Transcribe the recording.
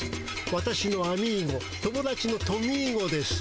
私のアミーゴ友だちのトミーゴです。